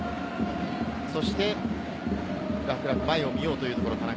そして前を見ようというところ、田中。